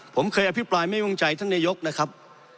ผมเคยอภิปรายไม่วงใจท่านนายกนะครับ